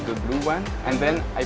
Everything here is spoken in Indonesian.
di sini dan berhenti